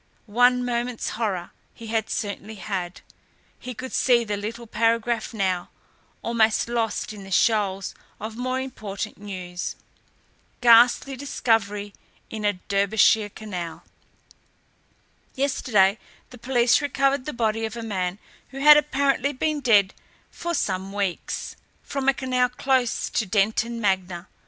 One moment's horror he had certainly had. He could see the little paragraph now, almost lost in the shoals of more important news: GHASTLY DISCOVERY IN A DERBYSHIRE CANAL Yesterday the police recovered the body of a man who had apparently been dead for some weeks, from a canal close to Detton Magna.